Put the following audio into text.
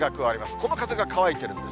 この風が乾いてるんです。